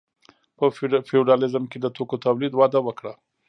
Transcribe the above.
په فیوډالیزم کې د توکو تولید وده وکړه.